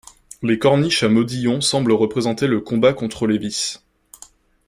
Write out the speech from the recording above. Les corniches à modillons semblent représenter le combat contre les vices.